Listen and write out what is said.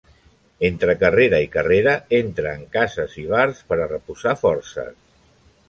Entre carrera i carrera entra en cases i bars per a reposar forces.